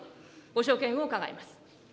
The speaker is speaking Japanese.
ご所見を伺います。